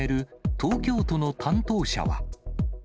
東京都の担当者は。